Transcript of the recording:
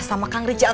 apa yang dikatakan